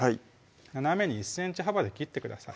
斜めに１ｃｍ幅で切ってください